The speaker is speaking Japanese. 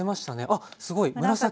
あっすごい紫に。